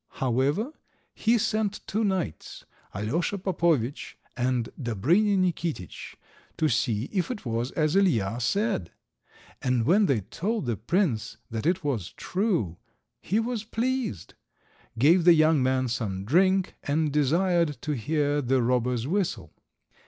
However, he sent two knights, Alescha Popowitsch and Dobrinja Nikititsch, to see if it was as Ilija said; and when they told the prince that it was true, he was pleased, gave the young man some drink, and desired to hear the robber's whistle.